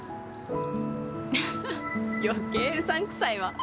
アハっ余計うさんくさいわ。